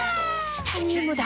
チタニウムだ！